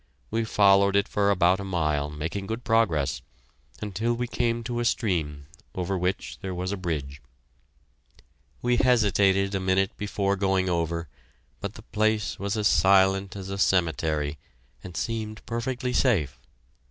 We followed it for about a mile, making good progress, until we came to a stream over which there was a bridge. We hesitated a minute before going over, but the place was as silent as a cemetery, and seemed perfectly safe.